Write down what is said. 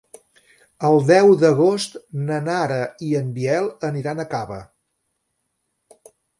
El deu d'agost na Nara i en Biel aniran a Cava.